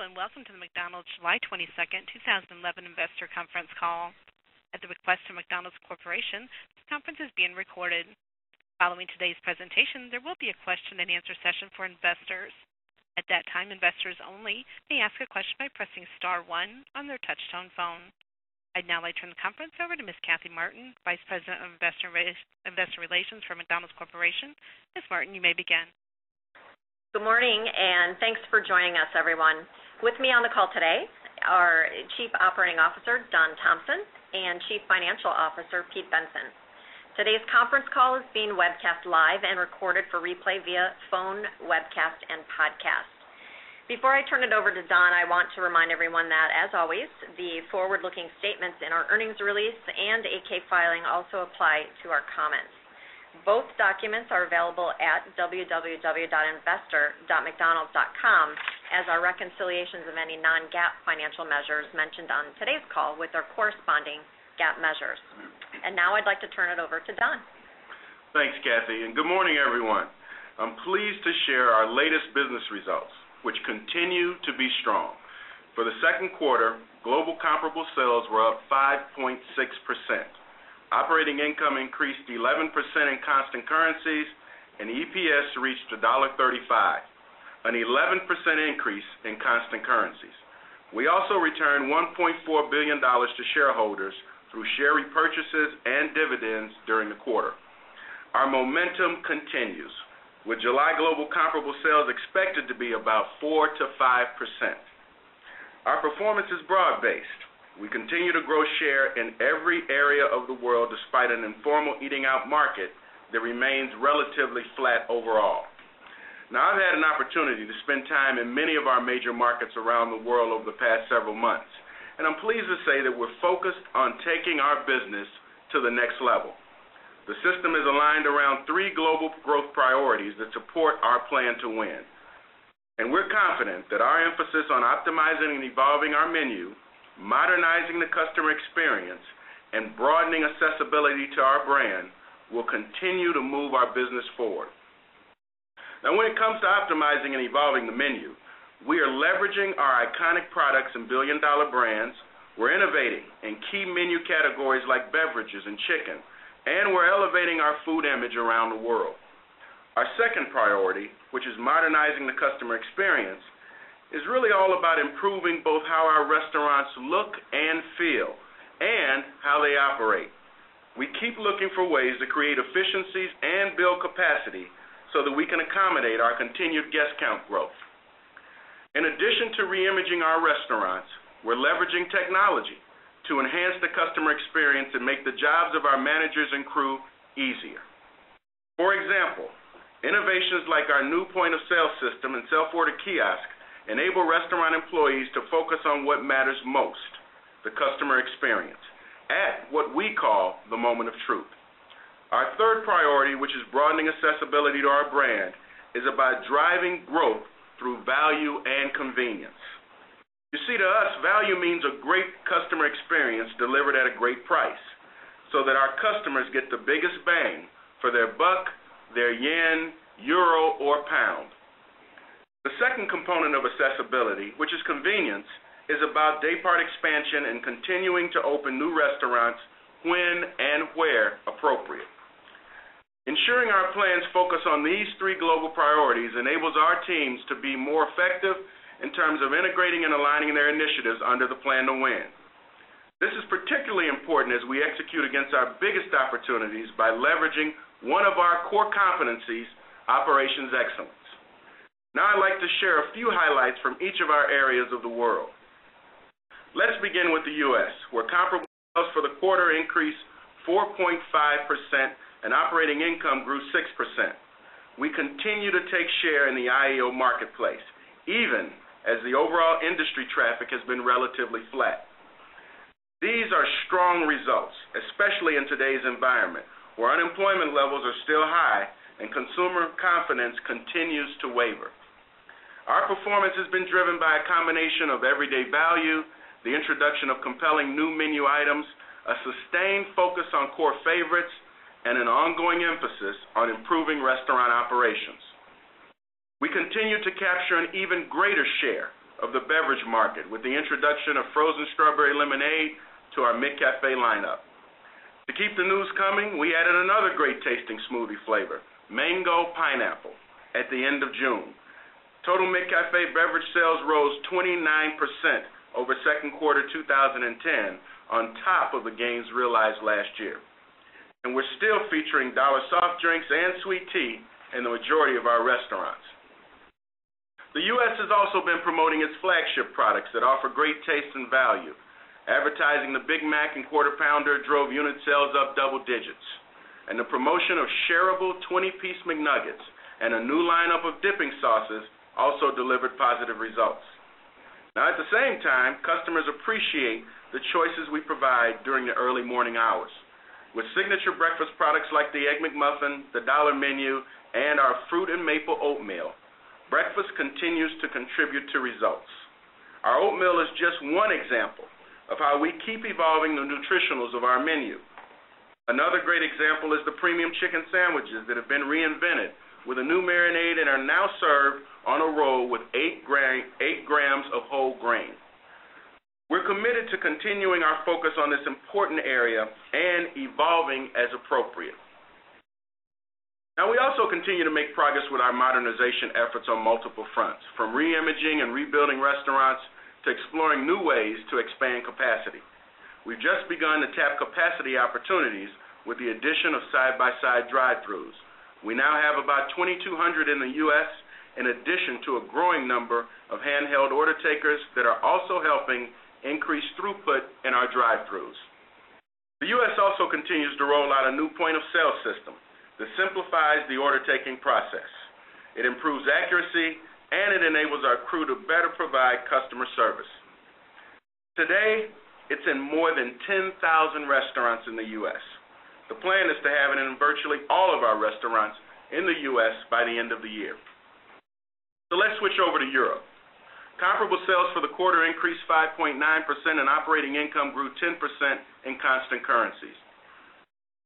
Hello, and welcome to the McDonald's July 22nd, 2011 Investor Conference Call. At the request of McDonald's Corporation, this conference is being recorded. Following today's presentation, there will be a question and answer session for investors. At that time, investors only may ask a question by pressing star one on their touch-tone phone. I'd now like to turn the conference over to Ms. Kathy Martin, Vice President of Investor Relations for McDonald's Corporation. Ms. Martin, you may begin. Good morning, and thanks for joining us, everyone. With me on the call today are Chief Operating Officer, Don Thompson, and Chief Financial Officer, Pete Bensen. Today's conference call is being webcast live and recorded for replay via phone, webcast, and podcast. Before I turn it over to Don, I want to remind everyone that, as always, the forward-looking statements in our earnings release and 8-K filing also apply to our comments. Both documents are available at www.investor.mcdonalds.com as are reconciliations of any non-GAAP financial measures mentioned on today's call with our corresponding GAAP measures. Now I'd like to turn it over to Don. Thanks, Kathy, and good morning, everyone. I'm pleased to share our latest business results, which continue to be strong. For the second quarter, global comparable sales were up 5.6%. Operating income increased 11% in constant currencies, and EPS reached $1.35, an 11% increase in constant currencies. We also returned $1.4 billion to shareholders through share repurchases and dividends during the quarter. Our momentum continues, with July global comparable sales expected to be about 4% to 5%. Our performance is broad-based. We continue to grow share in every area of the world despite an informal eating-out market that remains relatively flat overall. Now, I've had an opportunity to spend time in many of our major markets around the world over the past several months, and I'm pleased to say that we're focused on taking our business to the next level. The system is aligned around three global growth priorities that support our plan to win. We're confident that our emphasis on optimizing and evolving our menu, modernizing the customer experience, and broadening accessibility to our brand will continue to move our business forward. Now, when it comes to optimizing and evolving the menu, we are leveraging our iconic products and billion-dollar brands. We're innovating in key menu categories like beverages and chicken, and we're elevating our food image around the world. Our second priority, which is modernizing the customer experience, is really all about improving both how our restaurants look and feel and how they operate. We keep looking for ways to create efficiencies and build capacity so that we can accommodate our continued guest count growth. In addition to reimaging our restaurants, we're leveraging technology to enhance the customer experience and make the jobs of our managers and crew easier. For example, innovations like our new point-of-sale systems and self-order kiosks enable restaurant employees to focus on what matters most: the customer experience, at what we call the moment of truth. Our third priority, which is broadening accessibility to our brand, is about driving growth through value and convenience. You see, to us, value means a great customer experience delivered at a great price so that our customers get the biggest bang for their buck, their yen, euro, or pound. The second component of accessibility, which is convenience, is about daypart expansion and continuing to open new restaurants when and where appropriate. Ensuring our plans focus on these three global priorities enables our teams to be more effective in terms of integrating and aligning their initiatives under the Plan to Win. This is particularly important as we execute against our biggest opportunities by leveraging one of our core competencies: operations excellence. Now, I'd like to share a few highlights from each of our areas of the world. Let's begin with the U.S., where comparables for the quarter increased 4.5% and operating income grew 6%. We continue to take share in the IEO marketplace, even as the overall industry traffic has been relatively flat. These are strong results, especially in today's environment where unemployment levels are still high and consumer confidence continues to waver. Our performance has been driven by a combination of everyday value, the introduction of compelling new menu items, a sustained focus on core favorites, and an ongoing emphasis on improving restaurant operations. We continue to capture an even greater share of the beverage market with the introduction of Frozen Strawberry Lemonade to our McCafé lineup. To keep the news coming, we added another great-tasting smoothie flavor, Mango Pineapple, at the end of June. Total McCafé beverage sales rose 29% over second quarter 2010, on top of the gains realized last year. We're still featuring dollar soft drinks and sweet tea in the majority of our restaurants. The U.S. has also been promoting its flagship products that offer great taste and value. Advertising the Big Mac and Quarter Pounder drove unit sales up double digits. The promotion of shareable 20-piece McNuggets and a new lineup of dipping sauces also delivered positive results. At the same time, customers appreciate the choices we provide during the early morning hours. With signature breakfast products like the Egg McMuffin, the Dollar Menu, and our Fruit & Maple Oatmeal, breakfast continues to contribute to results. Our oatmeal is just one example of how we keep evolving the nutritionals of our menu. Another great example is the premium chicken sandwiches that have been reinvented with a new marinade and are now served on a roll with eight grams of whole grain. We're committed to continuing our focus on this important area and evolving as appropriate. We also continue to make progress with our modernization efforts on multiple fronts, from reimaging and rebuilding restaurants to exploring new ways to expand capacity. We've just begun to tap capacity opportunities with the addition of side-by-side drive-throughs. We now have about 2,200 in the U.S., in addition to a growing number of handheld order takers that are also helping increase throughput in our drive-throughs. The U.S. also continues to roll out a new point-of-sale system that simplifies the order-taking process. It improves accuracy, and it enables our crew to better provide customer service. Today, it's in more than 10,000 restaurants in the U.S. The plan is to have it in virtually all of our restaurants in the U.S. by the end of the year. Let's switch over to Europe. Comparable sales for the quarter increased 5.9% and operating income grew 10% in constant currencies.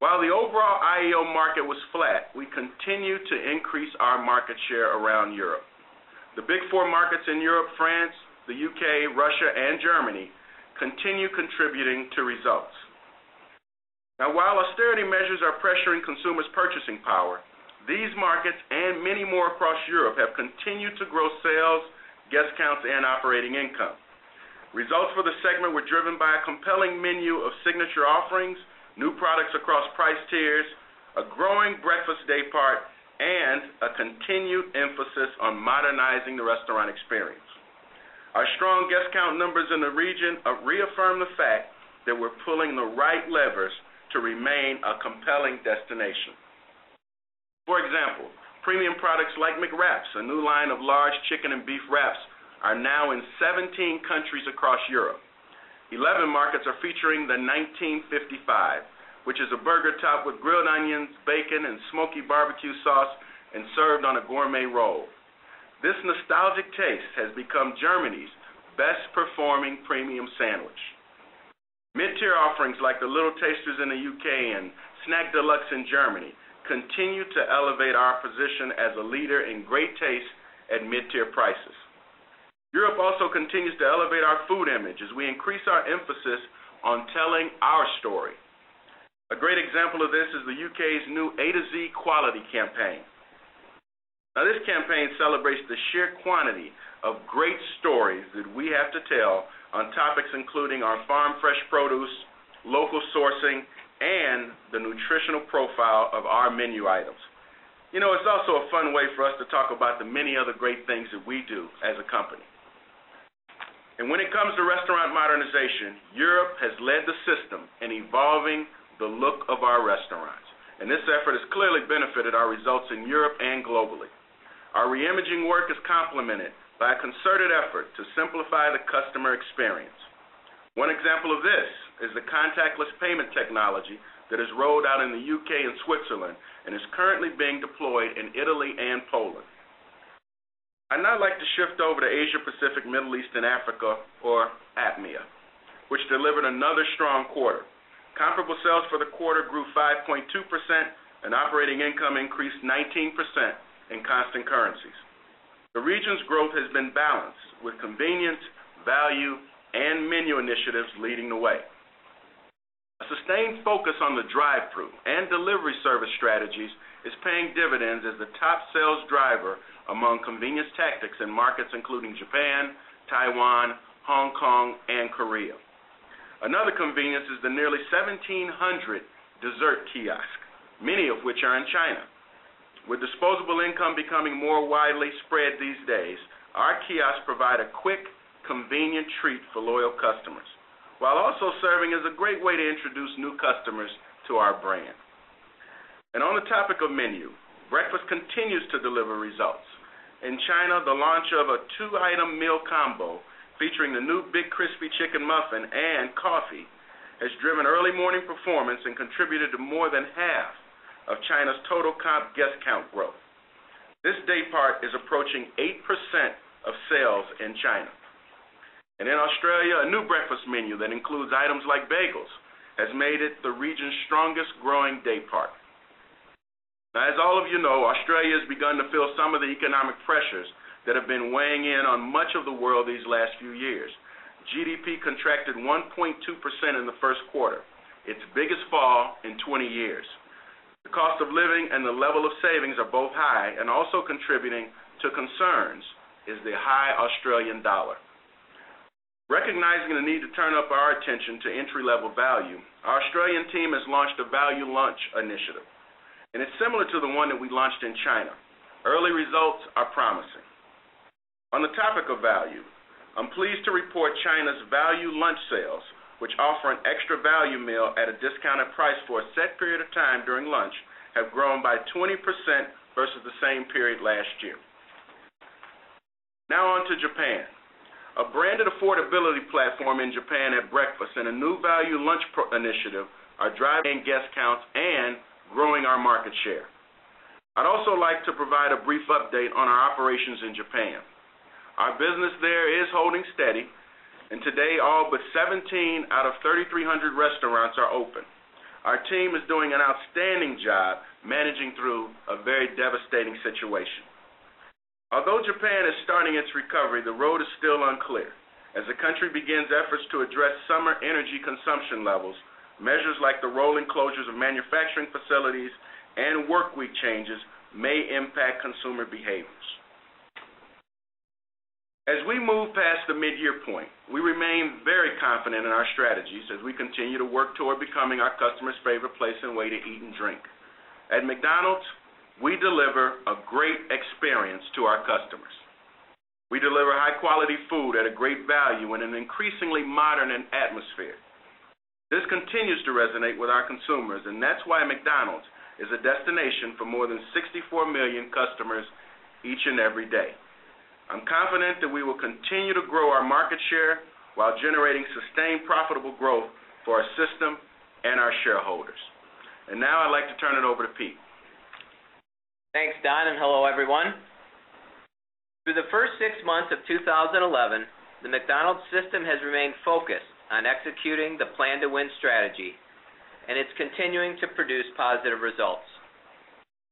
While the overall IEO market was flat, we continue to increase our market share around Europe. The Big Four markets in Europe, France, the U.K., Russia, and Germany continue contributing to results. While austerity measures are pressuring consumers' purchasing power, these markets and many more across Europe have continued to grow sales, guest counts, and operating income. Results for the segment were driven by a compelling menu of signature offerings, new products across price tiers, a growing breakfast daypart, and a continued emphasis on modernizing the restaurant experience. Our strong guest count numbers in the region reaffirm the fact that we're pulling the right levers to remain a compelling destination. For example, premium products like McWraps, a new line of large chicken and beef wraps, are now in 17 countries across Europe. 11 markets are featuring the 1955, which is a burger topped with grilled onions, bacon, and smoky barbecue sauce and served on a gourmet roll. This nostalgic taste has become Germany's best-performing premium sandwich. Mid-tier offerings like the Little Tasters in the U.K. and Snack Deluxe in Germany continue to elevate our position as a leader in great taste at mid-tier prices. Europe also continues to elevate our food image as we increase our emphasis on telling our story. A great example of this is the U.K.'s new A to Z Quality campaign. This campaign celebrates the sheer quantity of great stories that we have to tell on topics including our farm-fresh produce, local sourcing, and the nutritional profile of our menu items. It's also a fun way for us to talk about the many other great things that we do as a company. When it comes to restaurant modernization, Europe has led the system in evolving the look of our restaurants. This effort has clearly benefited our results in Europe and globally. Our reimaging work is complemented by a concerted effort to simplify the customer experience. One example of this is the contactless payment technology that is rolled out in the U.K. and Switzerland and is currently being deployed in Italy and Poland. I'd now like to shift over to Asia-Pacific, Middle East, and Africa, or APMEA, which delivered another strong quarter. Comparable sales for the quarter grew 5.2% and operating income increased 19% in constant currencies. The region's growth has been balanced with convenience, value, and menu initiatives leading the way. A sustained focus on the drive-through and delivery service strategies is paying dividends as the top sales driver among convenience tactics in markets including Japan, Taiwan, Hong Kong, and Korea. Another convenience is the nearly 1,700 dessert kiosks, many of which are in China. With disposable income becoming more widely spread these days, our kiosks provide a quick, convenient treat for loyal customers, while also serving as a great way to introduce new customers to our brand. On the topic of menu, breakfast continues to deliver results. In China, the launch of a two-item meal combo featuring the new Big Crispy Chicken Muffin and coffee has driven early morning performance and contributed to more than half of China's total comp guest count growth. This daypart is approaching 8% of sales in China. In Australia, a new breakfast menu that includes items like bagels has made it the region's strongest growing daypart. As all of you know, Australia has begun to feel some of the economic pressures that have been weighing in on much of the world these last few years. GDP contracted 1.2% in the first quarter, its biggest fall in 20 years. The cost of living and the level of savings are both high and also contributing to concerns is the high Australian dollar. Recognizing the need to turn up our attention to entry-level value, our Australian team has launched the Value Lunch initiative. It's similar to the one that we launched in China. Early results are promising. On the topic of value, I'm pleased to report China's Value Lunch sales, which offer an extra value meal at a discounted price for a set period of time during lunch, have grown by 20% versus the same period last year. Now on to Japan. A branded affordability platform in Japan at breakfast and a new value lunch initiative are driving guest counts and growing our market share. I'd also like to provide a brief update on our operations in Japan. Our business there is holding steady, and today, all but 17 out of 3,300 restaurants are open. Our team is doing an outstanding job managing through a very devastating situation. Although Japan is starting its recovery, the road is still unclear. As the country begins efforts to address summer energy consumption levels, measures like the rolling closures of manufacturing facilities and workweek changes may impact consumer behaviors. As we move past the mid-year point, we remain very confident in our strategies as we continue to work toward becoming our customers' favorite place and way to eat and drink. At McDonald's, we deliver a great experience to our customers. We deliver high-quality food at a great value in an increasingly modern atmosphere. This continues to resonate with our consumers, and that's why McDonald's is a destination for more than 64 million customers each and every day. I'm confident that we will continue to grow our market share while generating sustained profitable growth for our system and our shareholders. I'd like to turn it over to Pete. Thanks, Don, and hello, everyone. For the first six months of 2011, the McDonald's system has remained focused on executing the plan-to-win strategy, and it's continuing to produce positive results.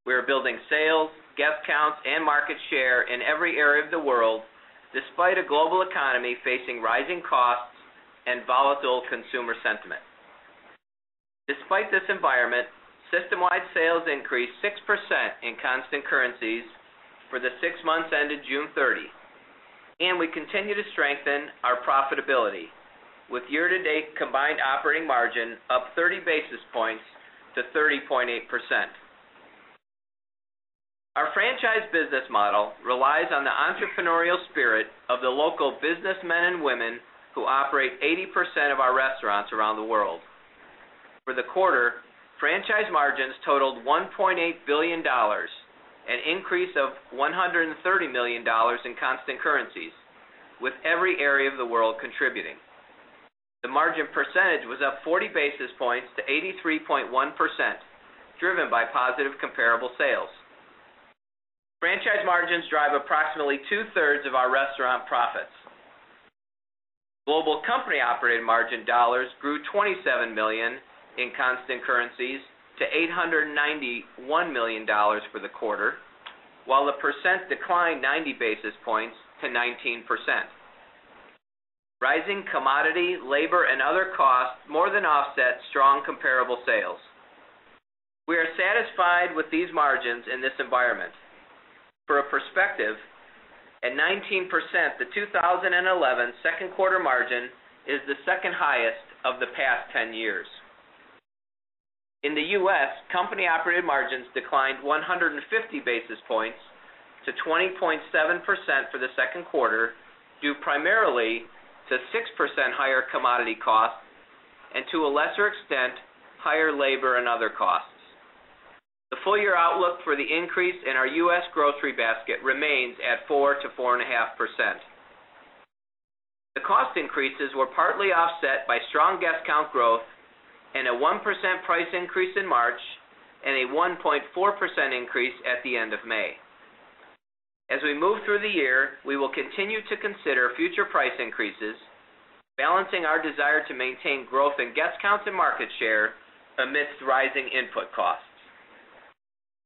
We are building sales, guest counts, and market share in every area of the world despite a global economy facing rising costs and volatile consumer sentiment. Despite this environment, systemwide sales increased 6% in constant currencies for the six months ended June 30, and we continue to strengthen our profitability with year-to-date combined operating margin up 30 basis points to 30.8%. Our franchise business model relies on the entrepreneurial spirit of the local businessmen and women who operate 80% of our restaurants around the world. For the quarter, franchise margins totaled $1.8 billion, an increase of $130 million in constant currencies, with every area of the world contributing. The margin percentage was up 40 basis points to 83.1%, driven by positive comparable sales. Franchise margins drive approximately 2/3 of our restaurant profits. Global company-operated margin dollars grew $27 million in constant currencies to $891 million for the quarter, while the percent declined 90 basis points to 19%. Rising commodity, labor, and other costs more than offset strong comparable sales. We are satisfied with these margins in this environment. For a perspective, at 19%, the 2011 second quarter margin is the second highest of the past 10 years. In the U.S., company-operated margins declined 150 basis points to 20.7% for the second quarter, due primarily to 6% higher commodity costs and, to a lesser extent, higher labor and other costs. The full-year outlook for the increase in our U.S. grocery basket remains at 4%-4.5%. The cost increases were partly offset by strong guest count growth and a 1% price increase in March and a 1.4% increase at the end of May. As we move through the year, we will continue to consider future price increases, balancing our desire to maintain growth in guest counts and market share amidst rising input costs.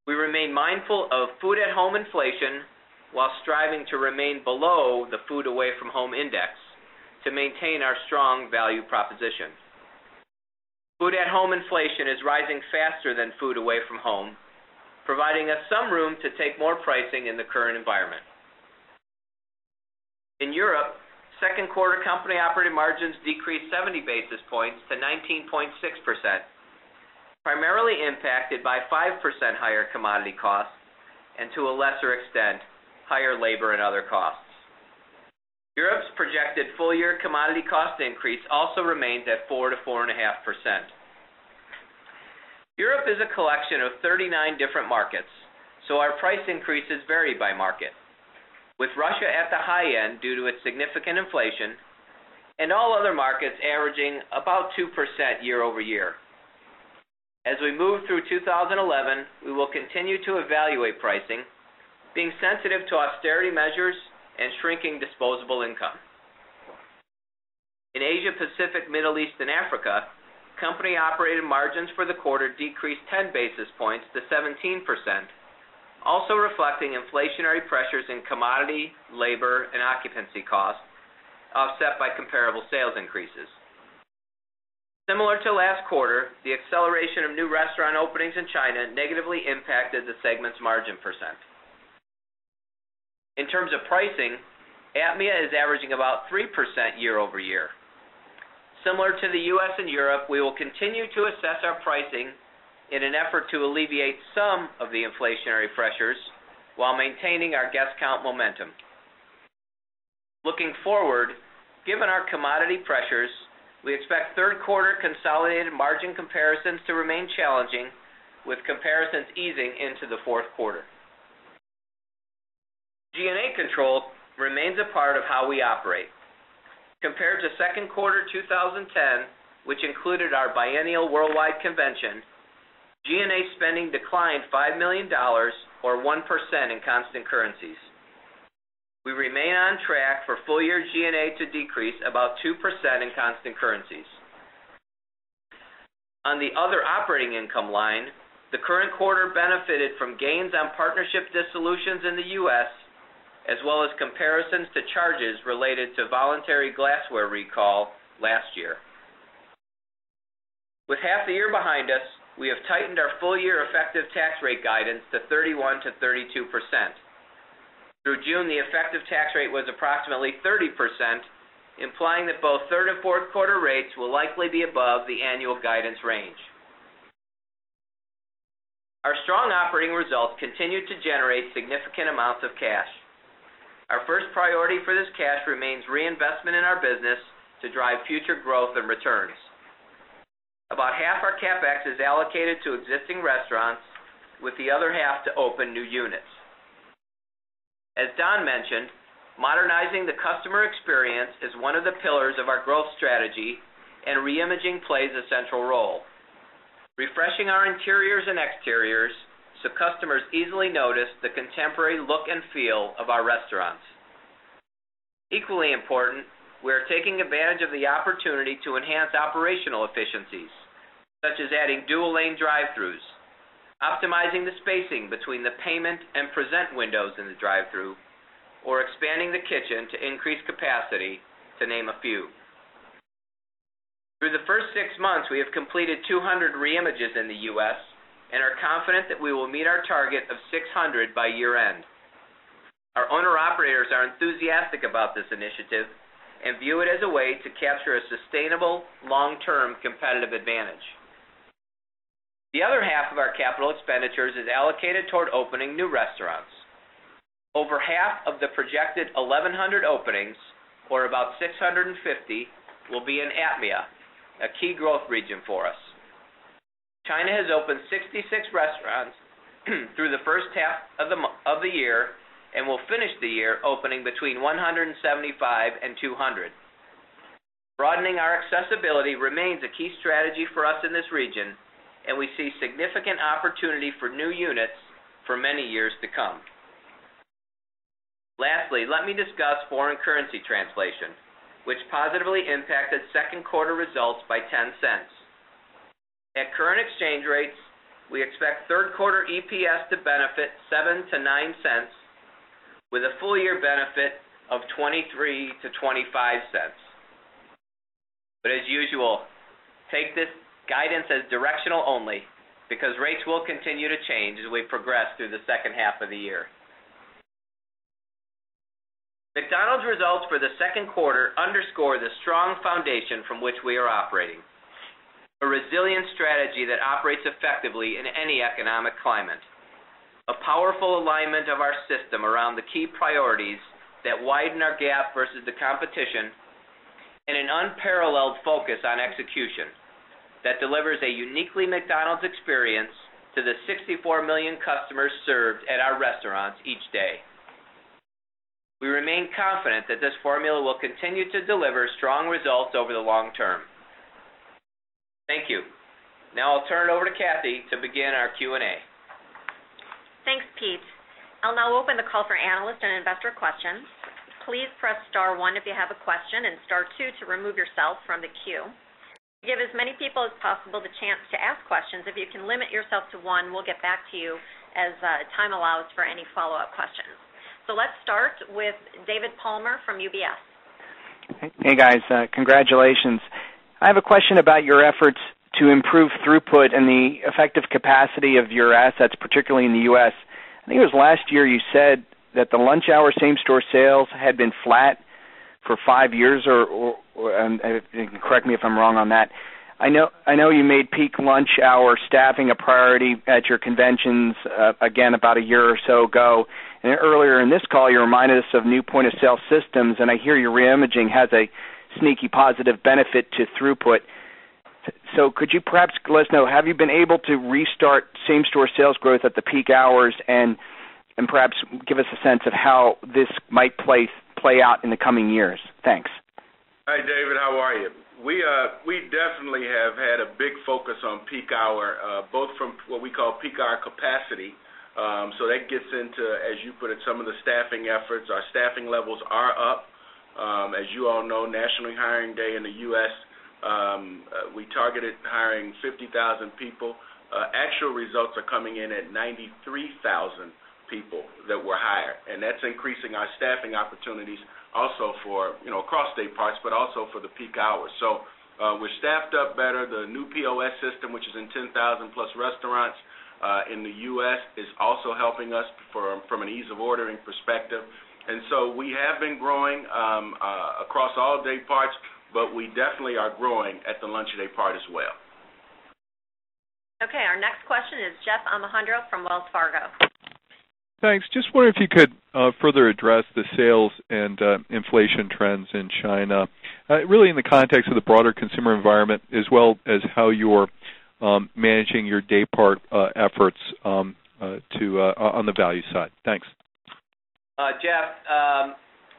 We remain mindful of food-at-home inflation while striving to remain below the food-away-from-home index to maintain our strong value proposition. Food-at-home inflation is rising faster than food-away-from-home, providing us some room to take more pricing in the current environment. In Europe, second quarter company-operated margins decreased 70 basis points to 19.6%, primarily impacted by 5% higher commodity costs and, to a lesser extent, higher labor and other costs. Europe's projected full-year commodity cost increase also remains at 4%- 4.5%. Europe is a collection of 39 different markets, so our price increases vary by market, with Russia at the high end due to its significant inflation and all other markets averaging about 2% year-over-year. As we move through 2011, we will continue to evaluate pricing, being sensitive to austerity measures and shrinking disposable income. In Asia-Pacific, Middle East, and Africa, company-operated margins for the quarter decreased 10 basis points to 17%, also reflecting inflationary pressures in commodity, labor, and occupancy costs offset by comparable sales increases. Similar to last quarter, the acceleration of new restaurant openings in China negatively impacted the segment's margin percent. In terms of pricing, APMEA is averaging about 3% year-over-year. Similar to the U.S. and Europe, we will continue to assess our pricing in an effort to alleviate some of the inflationary pressures while maintaining our guest count momentum. Looking forward, given our commodity pressures, we expect third-quarter consolidated margin comparisons to remain challenging, with comparisons easing into the fourth quarter. G&A control remains a part of how we operate. Compared to second quarter 2010, which included our biennial worldwide convention, G&A spending declined $5 million, or 1%, in constant currencies. We remain on track for full-year G&A to decrease about 2% in constant currencies. On the other operating income line, the current quarter benefited from gains on partnership dissolutions in the U.S., as well as comparisons to charges related to voluntary glassware recall last year. With half the year behind us, we have tightened our full-year effective tax rate guidance to 31%-32%. Through June, the effective tax rate was approximately 30%, implying that both third and fourth quarter rates will likely be above the annual guidance range. Our strong operating results continue to generate significant amounts of cash. Our first priority for this cash remains reinvestment in our business to drive future growth and returns. About half our CapEx is allocated to existing restaurants, with the other half to open new units. As Don Thompson mentioned, modernizing the customer experience is one of the pillars of our growth strategy, and reimaging plays a central role, refreshing our interiors and exteriors so customers easily notice the contemporary look and feel of our restaurants. Equally important, we are taking advantage of the opportunity to enhance operational efficiencies, such as adding dual-lane drive-throughs, optimizing the spacing between the payment and present windows in the drive-through, or expanding the kitchen to increase capacity, to name a few. Through the first six months, we have completed 200 reimages in the U.S. and are confident that we will meet our target of 600 by year-end. Our owner-operators are enthusiastic about this initiative and view it as a way to capture a sustainable long-term competitive advantage. The other half of our capital expenditures is allocated toward opening new restaurants. Over half of the projected 1,100 openings, or about 650, will be in APMEA, a key growth region for us. China has opened 66 restaurants through the first half of the year and will finish the year opening between 175 and 200. Broadening our accessibility remains a key strategy for us in this region, and we see significant opportunity for new units for many years to come. Lastly, let me discuss foreign currency translation, which positively impacted second quarter results by $0.10. At current exchange rates, we expect third quarter EPS to benefit $0.07-$0.09, with a full-year benefit of $0.23-$0.25. Take this guidance as directional only because rates will continue to change as we progress through the second half of the year. McDonald's results for the second quarter underscore the strong foundation from which we are operating, a resilient strategy that operates effectively in any economic climate, a powerful alignment of our system around the key priorities that widen our gap versus the competition, and an unparalleled focus on execution that delivers a uniquely McDonald's experience to the 64 million customers served at our restaurants each day. We remain confident that this formula will continue to deliver strong results over the long term. Thank you. Now I'll turn it over to Kathy Martin to begin our Q&A. Thanks, Pete. I'll now open the call for analysts and investor questions. Please press star one if you have a question and star two to remove yourself from the queue. Give as many people as possible the chance to ask questions. If you can limit yourself to one, we'll get back to you as time allows for any follow-up questions. Let's start with David Palmer from UBS. Hey, guys. Congratulations. I have a question about your efforts to improve throughput and the effective capacity of your assets, particularly in the U.S. I think it was last year you said that the lunch hour same-store sales had been flat for five years, or correct me if I'm wrong on that. I know you made peak lunch hour staffing a priority at your conventions again about a year or so ago. Earlier in this call, you reminded us of new point-of-sale systems, and I hear your reimaging has a sneaky positive benefit to throughput. Could you perhaps let us know, have you been able to restart same-store sales growth at the peak hours and perhaps give us a sense of how this might play out in the coming years? Thanks. Hi, David. How are you? We definitely have had a big focus on peak hour, both from what we call peak hour capacity. That gets into, as you put it, some of the staffing efforts. Our staffing levels are up. As you all know, nationally hiring day in the U.S., we targeted hiring 50,000 people. Actual results are coming in at 93,000 people that were hired, and that's increasing our staffing opportunities also for across dayparts, but also for the peak hours. We're staffed up better. The new point-of-sale system, which is in 10,000+ restaurants in the U.S., is also helping us from an ease-of-ordering perspective. We have been growing across all dayparts, but we definitely are growing at the lunch daypart as well. OK. Our next question is Jeff Omohundro from Wells Fargo. Thanks. Just wondering if you could further address the sales and inflation trends in China, really in the context of the broader consumer environment, as well as how you're managing your daypart efforts on the value side. Thanks. Jeff,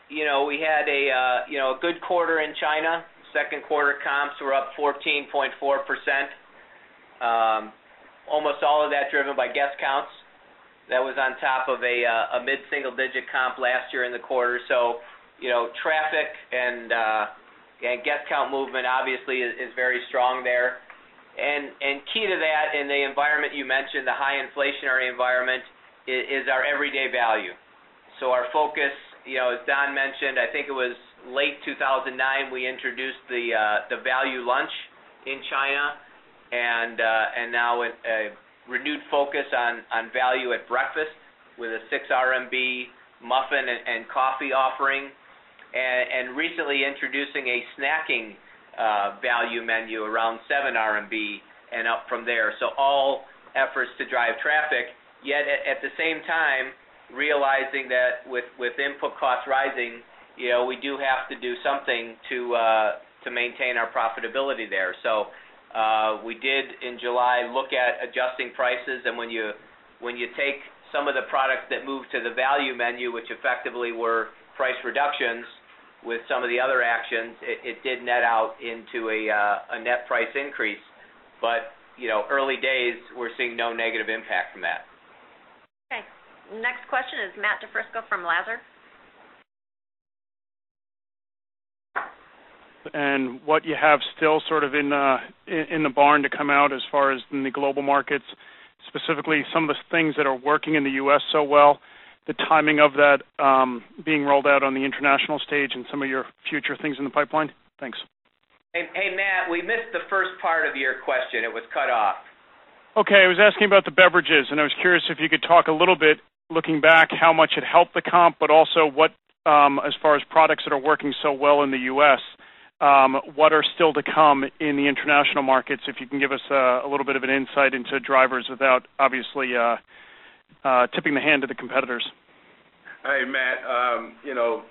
you know we had a good quarter in China. Second quarter comps were up 14.4%, almost all of that driven by guest counts. That was on top of a mid-single-digit comp last year in the quarter. Traffic and guest count movement obviously is very strong there. Key to that, in the environment you mentioned, the high inflationary environment, is our everyday value. Our focus, as Don mentioned, I think it was late 2009, we introduced the Value Lunch in China, and now a renewed focus on value at breakfast with a 6 RMB muffin and coffee offering, and recently introducing a snacking value menu around 7 RMB and up from there. All efforts to drive traffic, yet at the same time, realizing that with input costs rising, we do have to do something to maintain our profitability there. We did, in July, look at adjusting prices. When you take some of the products that move to the value menu, which effectively were price reductions with some of the other actions, it did net out into a net price increase. Early days, we're seeing no negative impact from that. OK. Next question is Matt DiFrisco from Lazard. What you have still sort of in the barn to come out as far as the global markets, specifically some of the things that are working in the U.S. so well, the timing of that being rolled out on the international stage and some of your future things in the pipeline? Thanks. Hey, Matt. We missed the first part of your question. It was cut off. OK. I was asking about the beverages, and I was curious if you could talk a little bit, looking back, how much it helped the comp, but also as far as products that are working so well in the U.S., what are still to come in the international markets, if you can give us a little bit of an insight into drivers without obviously tipping the hand to the competitors. Hey, Matt.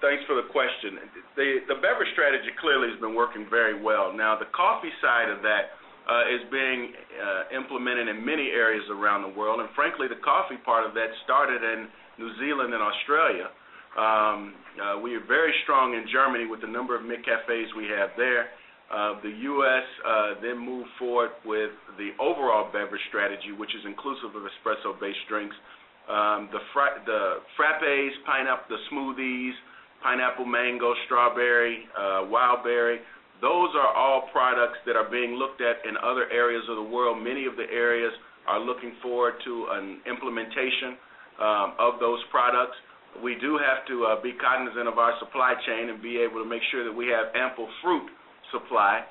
Thanks for the question. The beverage strategy clearly has been working very well. The coffee side of that is being implemented in many areas around the world. Frankly, the coffee part of that started in New Zealand and Australia. We are very strong in Germany with the number of McCafés we have there. The U.S. then moved forward with the overall beverage strategy, which is inclusive of espresso-based drinks. The frappés the smoothies, pineapple mango, strawberry, wild berry, those are all products that are being looked at in other areas of the world. Many of the areas are looking forward to an implementation of those products. We do have to be cognizant of our supply chain and be able to make sure that we have ample fruit supply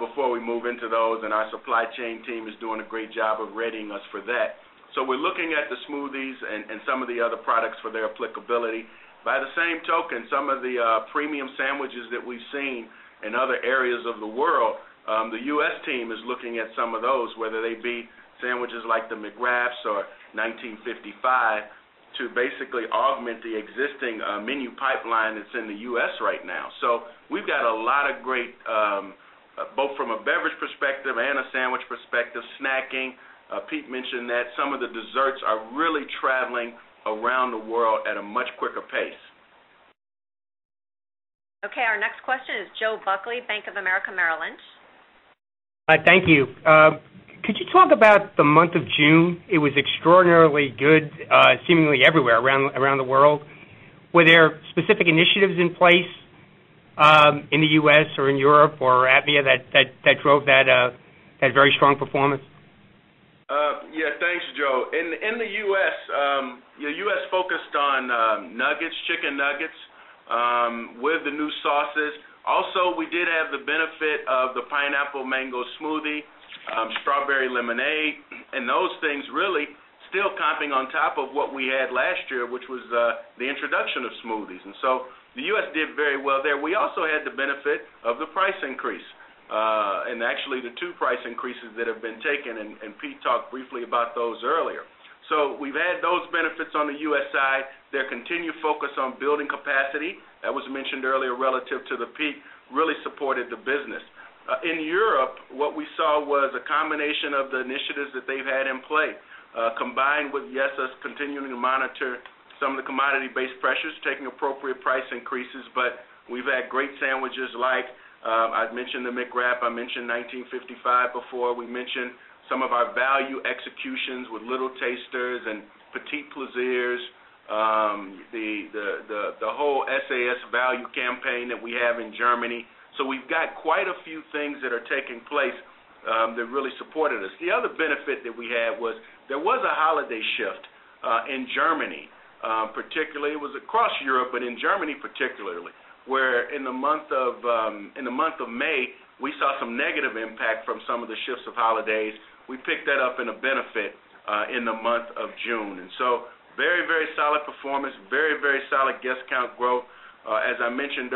before we move into those. Our supply chain team is doing a great job of readying us for that. We are looking at the smoothies and some of the other products for their applicability. By the same token, some of the premium sandwiches that we've seen in other areas of the world, the U.S. team is looking at some of those, whether they be sandwiches like the McWraps or 1955, to basically augment the existing menu pipeline that's in the U.S. right now. We've got a lot of great, both from a beverage perspective and a sandwich perspective, snacking. Pete mentioned that some of the desserts are really traveling around the world at a much quicker pace. OK. Our next question is Joe Buckley, Bank of America Merrill Lynch. Hi. Thank you. Could you talk about the month of June? It was extraordinarily good seemingly everywhere around the world. Were there specific initiatives in place in the U.S. or in Europe or APMEA that drove that very strong performance? Yeah. Thanks, Joe. In the U.S., you know U.S. focused on chicken nuggets with the new sauces. Also, we did have the benefit of the Pineapple Mango Smoothie, Strawberry Lemonade, and those things really still comping on top of what we had last year, which was the introduction of smoothies. The U.S. did very well there. We also had the benefit of the price increase and actually the two price increases that have been taken. Pete talked briefly about those earlier. We have had those benefits on the U.S. side. Their continued focus on building capacity, as was mentioned earlier, relative to the peak, really supported the business. In Europe, what we saw was a combination of the initiatives that they've had in play, combined with, yes, us continuing to monitor some of the commodity-based pressures, taking appropriate price increases. We have had great sandwiches like I mentioned the McWrap, I mentioned 1955 before, we mentioned some of our value executions with Little Tasters and P'tits Plaisirs, the whole SAS value campaign that we have in Germany. We have quite a few things that are taking place that really supported us. The other benefit that we had was there was a holiday shift in Germany, particularly it was across Europe, but in Germany particularly, where in the month of May, we saw some negative impact from some of the shifts of holidays. We picked that up in a benefit in the month of June. Very, very solid performance, very, very solid guest count growth. As I mentioned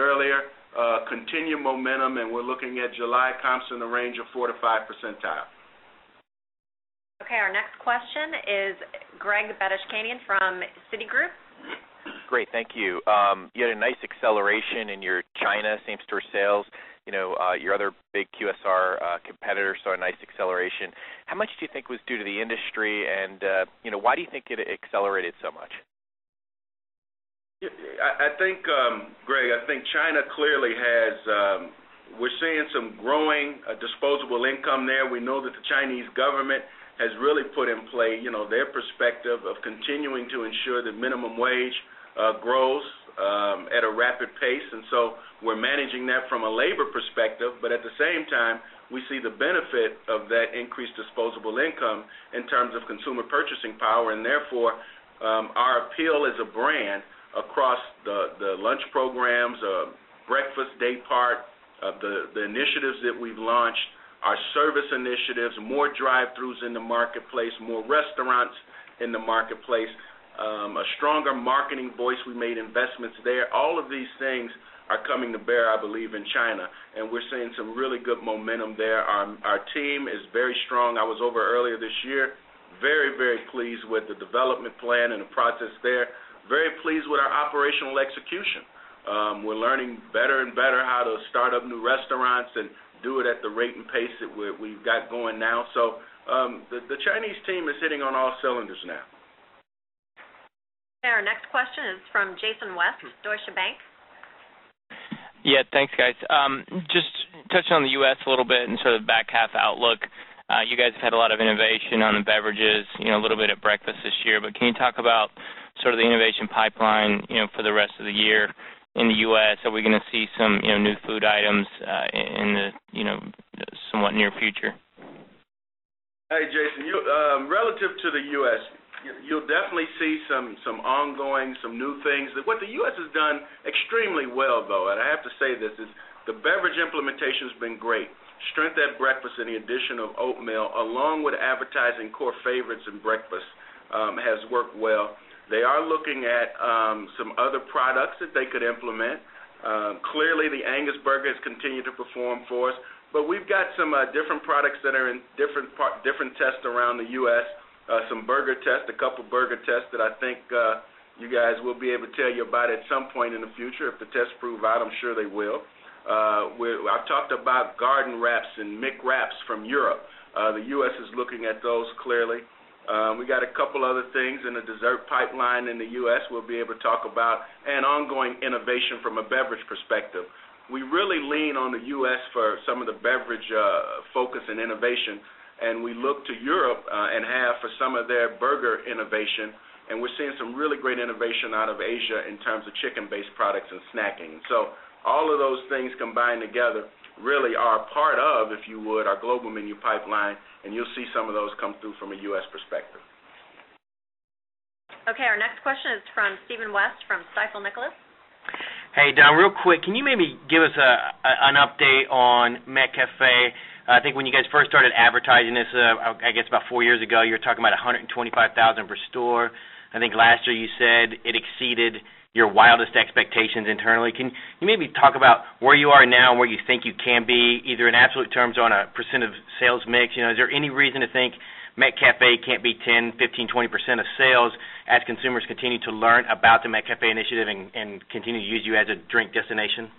earlier, continued momentum, and we're looking at July comps in the range of 4%-5% percentile. OK. Our next question is Greg Badishkanian from Citigroup. Great. Thank you. You had a nice acceleration in your China same-store sales. Your other big QSR competitors saw a nice acceleration. How much do you think was due to the industry, and why do you think it accelerated so much? I think, Greg, China clearly has, we're seeing some growing disposable income there. We know that the Chinese government has really put in play their perspective of continuing to ensure that minimum wage grows at a rapid pace. We're managing that from a labor perspective. At the same time, we see the benefit of that increased disposable income in terms of consumer purchasing power. Therefore, our appeal as a brand across the lunch programs, breakfast daypart, the initiatives that we've launched, our service initiatives, more drive-throughs in the marketplace, more restaurants in the marketplace, a stronger marketing voice, we made investments there. All of these things are coming to bear, I believe, in China. We're seeing some really good momentum there. Our team is very strong. I was over earlier this year, very, very pleased with the development plan and the process there, very pleased with our operational execution. We're learning better and better how to start up new restaurants and do it at the rate and pace that we've got going now. The Chinese team is hitting on all cylinders now. Our next question is from Jason West, Deutsche Bank. Yeah. Thanks, guys. Just touching on the U.S. a little bit and sort of the back half outlook, you guys have had a lot of innovation on the beverages, a little bit at breakfast this year. Can you talk about sort of the innovation pipeline for the rest of the year in the U.S.? Are we going to see some new food items in the somewhat near future? Hey, Jason. Relative to the U.S., you'll definitely see some ongoing, some new things. What the U.S. has done extremely well, though, and I have to say this, is the beverage implementation has been great. Strength at breakfast and the addition of oatmeal, along with advertising core favorites and breakfasts, has worked well. They are looking at some other products that they could implement. Clearly, the Angus Burger has continued to perform for us. We've got some different products that are in different tests around the U.S., some burger tests, a couple of burger tests that I think you guys will be able to tell you about at some point in the future. If the tests prove out, I'm sure they will. I've talked about Garden Wraps and McWraps from Europe. The U.S. is looking at those clearly. We got a couple of other things in the dessert pipeline in the U.S. we'll be able to talk about and ongoing innovation from a beverage perspective. We really lean on the U.S. for some of the beverage focus and innovation. We look to Europe and APMEA for some of their burger innovation. We're seeing some really great innovation out of Asia in terms of chicken-based products and snacking. All of those things combined together really are part of, if you would, our global menu pipeline. You'll see some of those come through from a U.S. perspective. OK. Our next question is from Steven West from Stifel Nicolaus. Hey, Don. Real quick, can you maybe give us an update on McCafé? I think when you guys first started advertising this, I guess about four years ago, you were talking about $125,000 per store. I think last year you said it exceeded your wildest expectations internally. Can you maybe talk about where you are now and where you think you can be, either in absolute terms or on a percent of sales mix? Is there any reason to think McCafé can't be 10%, 15%, 20% of sales as consumers continue to learn about the McCafé initiative and continue to use you as a drink destination?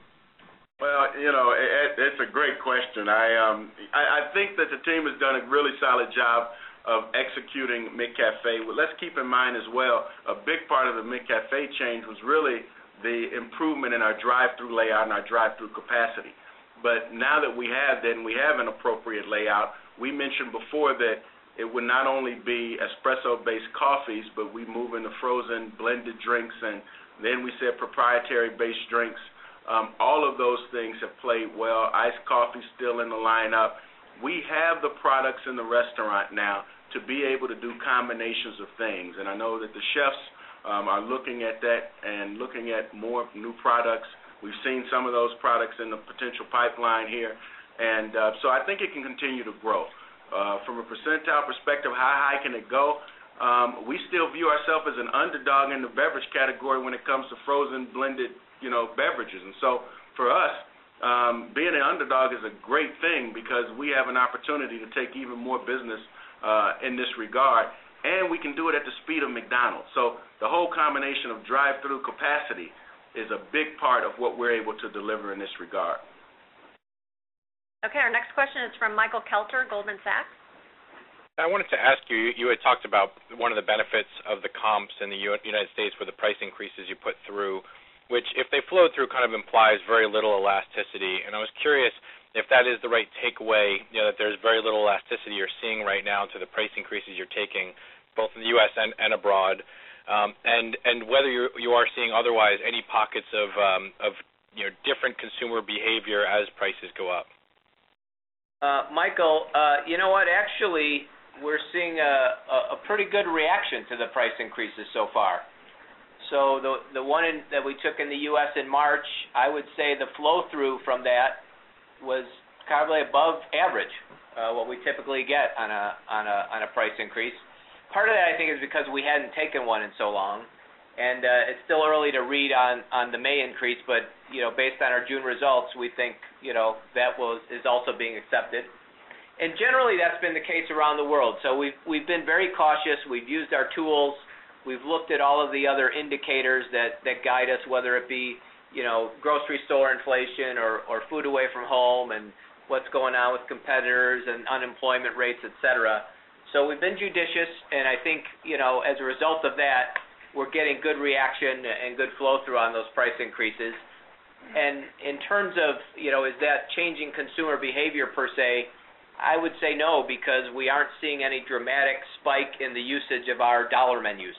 It's a great question. I think that the team has done a really solid job of executing McCafé. Let's keep in mind as well, a big part of the McCafé change was really the improvement in our drive-through layout and our drive-through capacity. Now that we have that and we have an appropriate layout, we mentioned before that it would not only be espresso-based coffees, but we move into frozen blended drinks. We said proprietary-based drinks. All of those things have played well. Iced coffee is still in the lineup. We have the products in the restaurant now to be able to do combinations of things. I know that the chefs are looking at that and looking at more new products. We've seen some of those products in the potential pipeline here. I think it can continue to grow. From a percentile perspective, how high can it go? We still view ourselves as an underdog in the beverage category when it comes to frozen blended beverages. For us, being an underdog is a great thing because we have an opportunity to take even more business in this regard. We can do it at the speed of McDonald's. The whole combination of drive-through capacity is a big part of what we're able to deliver in this regard. OK. Our next question is from Michael Kelter, Goldman Sachs. I wanted to ask you, you had talked about one of the benefits of the comps in the U.S. were the price increases you put through, which, if they flow through, kind of implies very little elasticity. I was curious if that is the right takeaway, that there's very little elasticity you're seeing right now to the price increases you're taking both in the U.S. and abroad, and whether you are seeing otherwise any pockets of different consumer behavior as prices go up. Michael, you know what? Actually, we're seeing a pretty good reaction to the price increases so far. The one that we took in the U.S. in March, I would say the flow-through from that was probably above average, what we typically get on a price increase. Part of that, I think, is because we hadn't taken one in so long. It's still early to read on the May increase, but based on our June results, we think that is also being accepted. Generally, that's been the case around the world. We have been very cautious. We've used our tools. We've looked at all of the other indicators that guide us, whether it be grocery store inflation or food away from home and what's going on with competitors and unemployment rates, etc. We have been judicious. I think as a result of that, we're getting good reaction and good flow-through on those price increases. In terms of is that changing consumer behavior per se, I would say no, because we aren't seeing any dramatic spike in the usage of our dollar menus.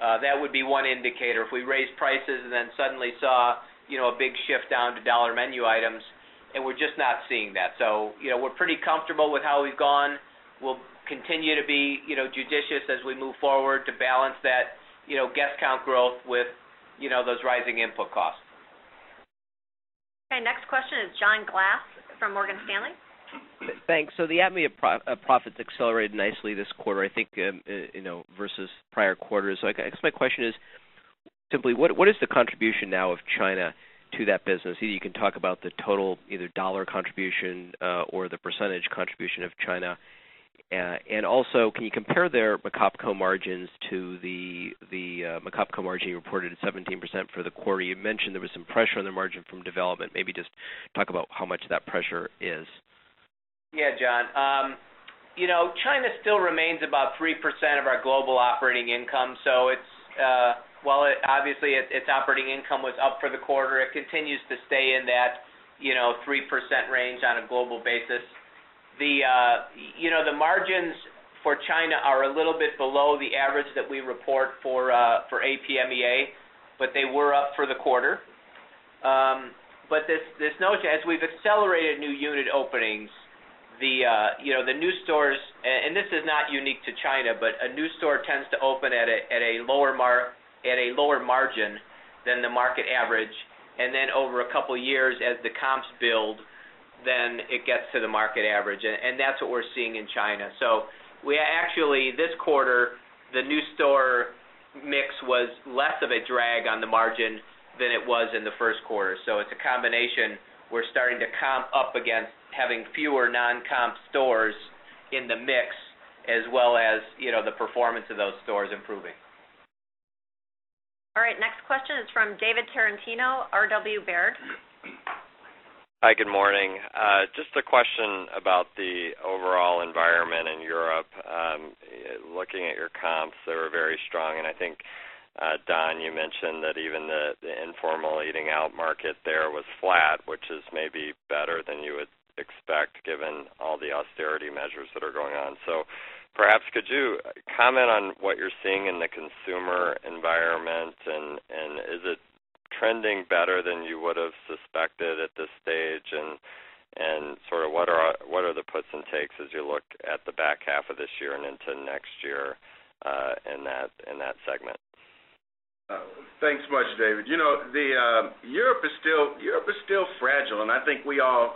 That would be one indicator. If we raised prices and then suddenly saw a big shift down to dollar menu items, and we're just not seeing that. We're pretty comfortable with how we've gone. We'll continue to be judicious as we move forward to balance that guest count growth with those rising input costs. OK. Next question is John Glass from Morgan Stanley. Thanks. The APMEA profits accelerated nicely this quarter, I think, versus prior quarters. My question is simply, what is the contribution now of China to that business? Either you can talk about the total either dollar contribution or the percentage contribution of China. Also, can you compare their APMEA margins to the APMEA margin you reported at 17% for the quarter? You mentioned there was some pressure on the margin from development. Maybe just talk about how much that pressure is. Yeah, John. You know, China still remains about 3% of our global operating income. So while obviously its operating income was up for the quarter, it continues to stay in that 3% range on a global basis. The margins for China are a little bit below the average that we report for APMEA, but they were up for the quarter. This notion, as we've accelerated new unit openings, the new stores, and this is not unique to China, but a new store tends to open at a lower margin than the market average. Over a couple of years, as the comps build, then it gets to the market average. That's what we're seeing in China. We actually, this quarter, the new store mix was less of a drag on the margin than it was in the first quarter. It's a combination. We're starting to comp up against having fewer non-comp stores in the mix, as well as the performance of those stores improving. All right. Next question is from David Tarantino, R.W. Baird. Hi. Good morning. Just a question about the overall environment in Europe. Looking at your comps, they were very strong. I think, Don, you mentioned that even the informal eating out market there was flat, which is maybe better than you would expect given all the austerity measures that are going on. Perhaps could you comment on what you're seeing in the consumer environment? Is it trending better than you would have suspected at this stage? What are the puts and takes as you look at the back half of this year and into next year in that segment? Thanks much, David. Europe is still fragile, and I think we all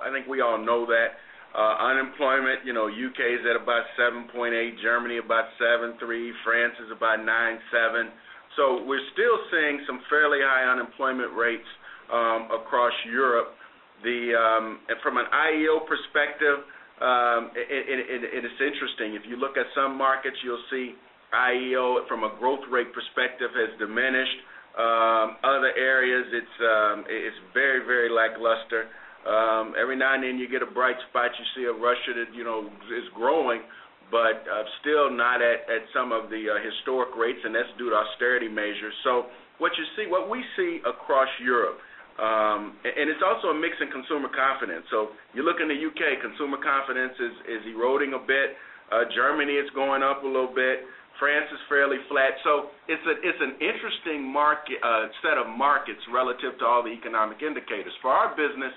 know that. Unemployment in the U.K. is at about 7.8%, Germany about 7.3%, France is about 9.7%. We're still seeing some fairly high unemployment rates across Europe. From an IEO perspective, it is interesting. If you look at some markets, you'll see IEO from a growth rate perspective has diminished. Other areas, it's very, very lackluster. Every now and then, you get a bright spot. You see a Russia that is growing, but still not at some of the historic rates, and that's due to austerity measures. What you see, what we see across Europe, is also a mix in consumer confidence. You look in the U.K., consumer confidence is eroding a bit. Germany, it's going up a little bit. France is fairly flat. It's an interesting set of markets relative to all the economic indicators. For our business,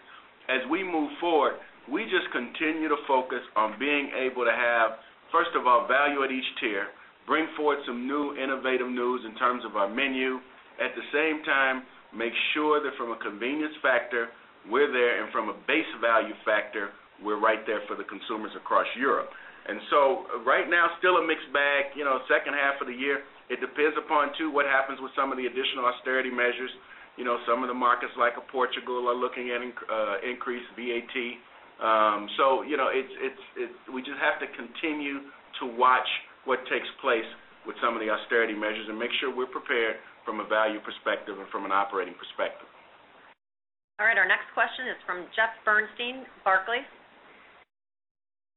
as we move forward, we just continue to focus on being able to have, first of all, value at each tier, bring forward some new innovative news in terms of our menu. At the same time, make sure that from a convenience factor, we're there, and from a base value factor, we're right there for the consumers across Europe. Right now, still a mixed bag. Second half of the year, it depends upon what happens with some of the additional austerity measures. Some of the markets, like Portugal, are looking at increased VAT. We just have to continue to watch what takes place with some of the austerity measures and make sure we're prepared from a value perspective and from an operating perspective. All right. Our next question is from Jeff Bernstein, Barclays.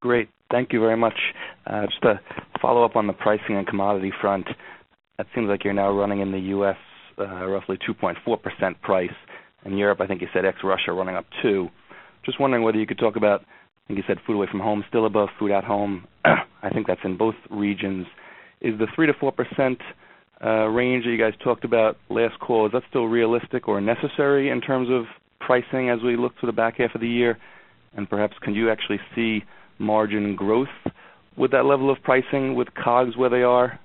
Great. Thank you very much. Just to follow up on the pricing and commodity front, it seems like you're now running in the U.S. roughly 2.4% price. In Europe, I think you said ex-Russia running up 2%. Just wondering whether you could talk about, I think you said food away from home is still above food at home. I think that's in both regions. Is the 3%-4% range that you guys talked about last quarter, is that still realistic or necessary in terms of pricing as we look to the back half of the year? Perhaps, can you actually see margin growth with that level of pricing with COGS where they are,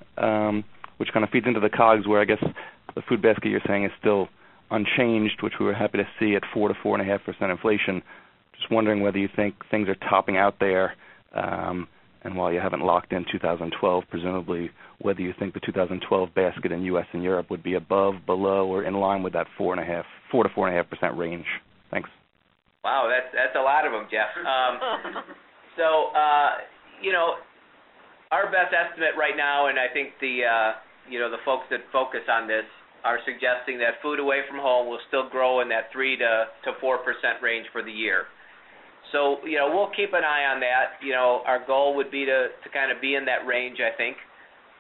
which kind of feeds into the COGS, where I guess the food basket you're saying is still unchanged, which we were happy to see at 4%-4.5% inflation. Just wondering whether you think things are topping out there. While you haven't locked in 2012, presumably, whether you think the 2012 basket in the U.S. and Europe would be above, below, or in line with that 4%-4.5% range. Thanks. Wow. That's a lot of them, Jeff. Our best estimate right now, and I think the folks that focus on this are suggesting that food away from home will still grow in that 3%-4% range for the year. We'll keep an eye on that. Our goal would be to kind of be in that range, I think.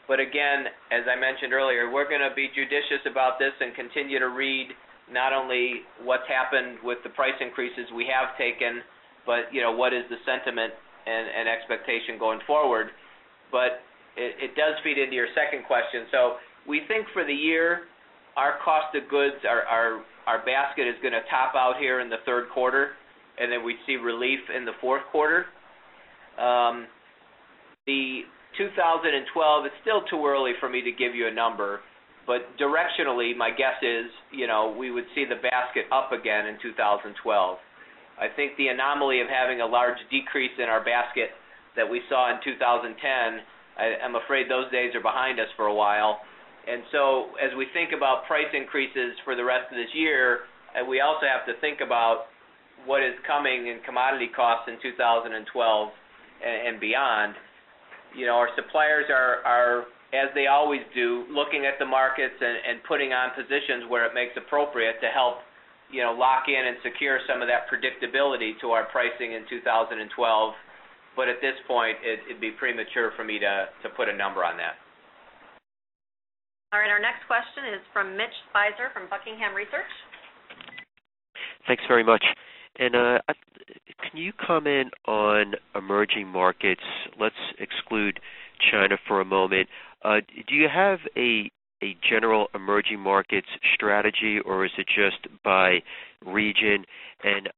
Again, as I mentioned earlier, we're going to be judicious about this and continue to read not only what's happened with the price increases we have taken, but what is the sentiment and expectation going forward. It does feed into your second question. We think for the year, our cost of goods, our basket is going to top out here in the third quarter, and then we'd see relief in the fourth quarter. For 2012, it's still too early for me to give you a number. Directionally, my guess is we would see the basket up again in 2012. I think the anomaly of having a large decrease in our basket that we saw in 2010, I'm afraid those days are behind us for a while. As we think about price increases for the rest of this year, we also have to think about what is coming in commodity costs in 2012 and beyond. Our suppliers are, as they always do, looking at the markets and putting on positions where it makes appropriate to help lock in and secure some of that predictability to our pricing in 2012. At this point, it'd be premature for me to put a number on that. All right. Our next question is from Mitch Speiser from Buckingham Research. Thanks very much. Can you comment on emerging markets? Let's exclude China for a moment. Do you have a general emerging markets strategy, or is it just by region?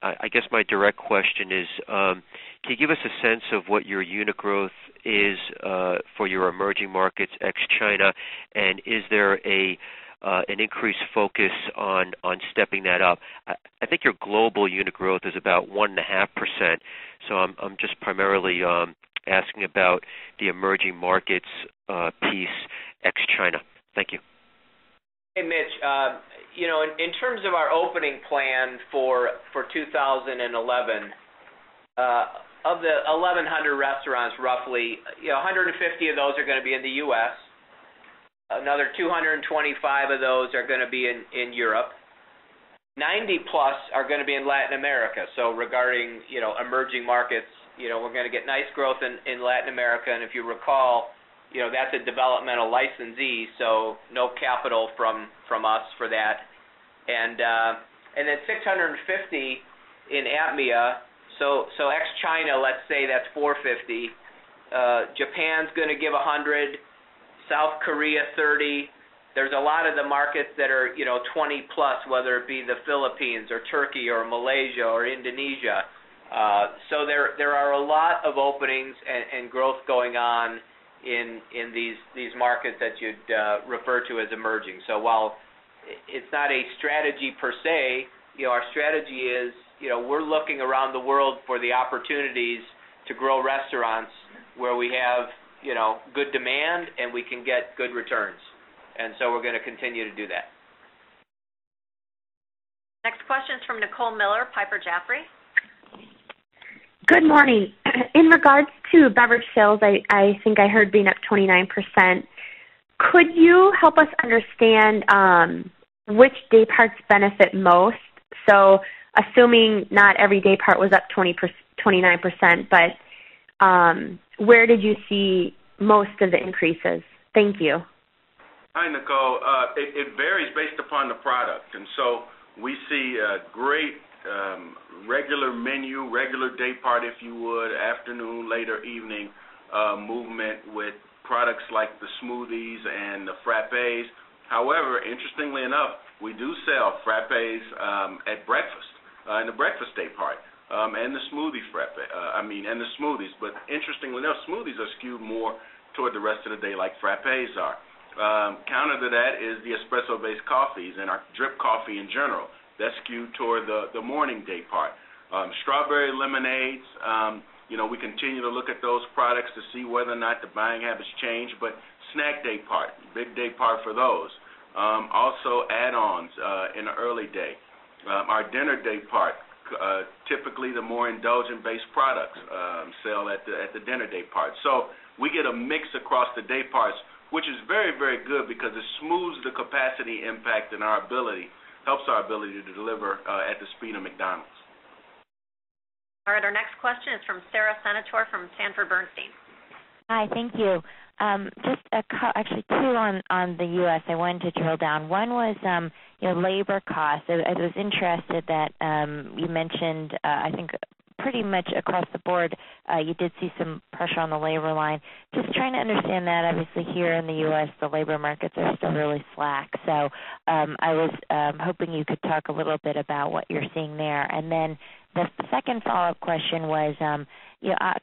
I guess my direct question is, can you give us a sense of what your unit growth is for your emerging markets ex-China? Is there an increased focus on stepping that up? I think your global unit growth is about 1.5%. I'm just primarily asking about the emerging markets piece ex-China. Thank you. Hey, Mitch. In terms of our opening plan for 2011, of the 1,100 restaurants, roughly 150 of those are going to be in the U.S. Another 225 of those are going to be in Europe. 90+ are going to be in Latin America. Regarding emerging markets, we're going to get nice growth in Latin America. If you recall, that's a developmental licensee, so no capital from us for that. Then 650 in APMEA. Ex-China, let's say that's 450. Japan's going to give 100, South Korea 30. There are a lot of the markets that are 20+, whether it be the Philippines, Turkey, Malaysia, or Indonesia. There are a lot of openings and growth going on in these markets that you'd refer to as emerging. While it's not a strategy per se, our strategy is we're looking around the world for the opportunities to grow restaurants where we have good demand and we can get good returns. We're going to continue to do that. Next question is from Nicole Miller, Piper Jaffray. Good morning. In regards to beverage sales, I think I heard being up 29%. Could you help us understand which dayparts benefit most? Assuming not every daypart was up 29%, where did you see most of the increases? Thank you. Hi, Nicole. It varies based upon the product. We see a great regular menu, regular daypart, if you would, afternoon, later evening movement with products like the smoothies and the frappes. Interestingly enough, we do sell frappes at breakfast in the breakfast daypart and the smoothies. Interestingly enough, smoothies are skewed more toward the rest of the day like frappés are. Counter to that is the espresso-based coffees and our drip coffee in general. That's skewed toward the morning daypart. Strawberry Lemonades, we continue to look at those products to see whether or not the buying habits change. Snack daypart, big daypart for those. Also, add-ons in the early day. Our dinner daypart, typically the more indulgent-based products sell at the dinner daypart. We get a mix across the dayparts, which is very, very good because it smooths the capacity impact and helps our ability to deliver at the speed of McDonald's. All right. Our next question is from Sara Senatore from Sanford Bernstein. Hi. Thank you. Just actually two on the U.S. I wanted to drill down. One was labor costs. I was interested that you mentioned, I think, pretty much across the board, you did see some pressure on the labor line. Just trying to understand that. Obviously, here in the U.S., the labor markets are still really slack. I was hoping you could talk a little bit about what you're seeing there. The second follow-up question was,